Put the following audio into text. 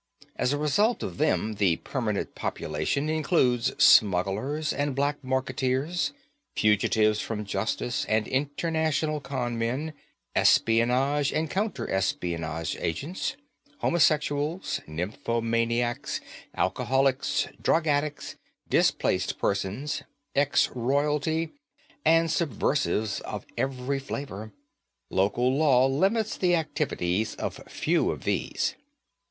As a result of them the permanent population includes smugglers and black marketeers, fugitives from justice and international con men, espionage and counter espionage agents, homosexuals, nymphomaniacs, alcoholics, drug addicts, displaced persons, ex royalty, and subversives of every flavor. Local law limits the activities of few of these.